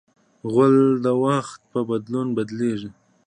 غول د وخت په بدلون بدلېږي.